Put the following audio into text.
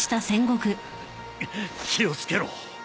気を付けろ。